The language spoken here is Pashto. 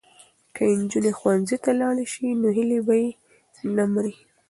که نجونې ښوونځي ته لاړې شي نو هیلې به یې نه مري.